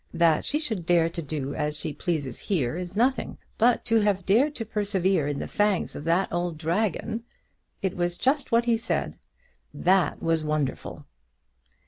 'That she should dare to do as she pleases here, is nothing; but to have dared to persevere in the fangs of that old dragon,' it was just what he said, 'that was wonderful!'"